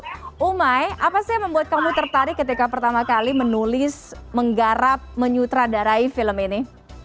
oke umai apa sih yang membuat kamu tertarik ketika pertama kali menulis menggarap menyutradarai film ini